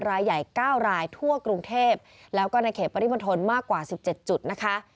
รายใหญ่๙รายทั่วกรุงเทพแล้วก็ในเขตปริมณฑลมากกว่า๑๗จุดนะคะ